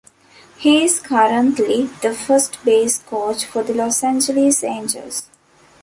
He is currently the first base coach for the Los Angeles Angels.